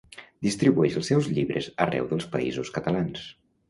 Distribueix els seus llibres arreu dels Països Catalans.